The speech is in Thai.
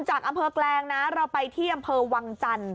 จากอำเภอแกลงนะเราไปที่อำเภอวังจันทร์